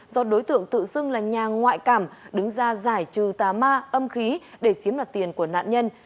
do đối tượng tự xưng là nhà ngoại cảm đứng ra giải trừ tà ma âm khí để chiếm đoạt tiền của nạn nhân